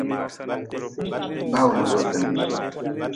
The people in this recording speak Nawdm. Bawuna dootin.